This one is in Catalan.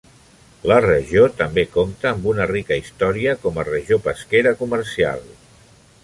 La regió també compta amb una rica història com a regió pesquera comercial.